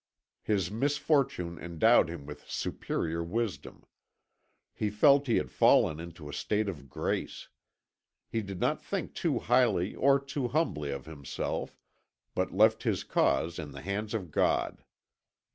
His misfortune endowed him with superior wisdom. He felt he had fallen into a state of grace. He did not think too highly or too humbly of himself, but left his cause in the hands of God.